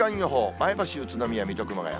前橋、宇都宮、水戸、熊谷。